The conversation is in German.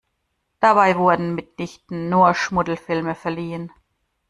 Dabei wurden mitnichten nur Schmuddelfilme verliehen.